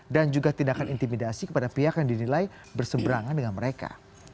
dan juga tindakan intimidasi kepada pihak yang dinilai berseberangan dengan mereka